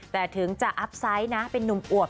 แต่ถึงจะอัพไซต์นะเป็นนุ่มอวบ